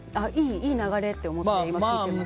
いい流れって思って聞いてました。